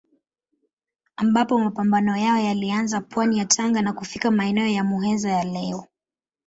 Ambapo mapambano yao yalianza pwani ya Tanga na kufika maeneo ya Muheza ya leo.